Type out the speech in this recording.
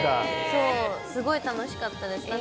すごい楽しかったです。